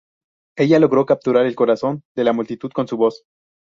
Ella logró capturar el corazón de la multitud con su voz.